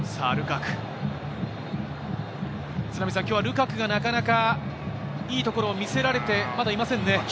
今日はルカクがなかなかいいところを見せられていませんね。